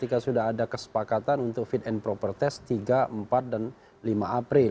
jadi ada kesempatan untuk fit and proper test tiga empat dan lima april